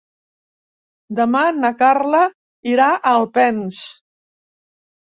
Demà na Carla irà a Alpens.